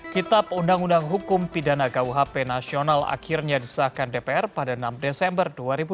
kitab undang undang hukum pidana kuhp nasional akhirnya disahkan dpr pada enam desember dua ribu dua puluh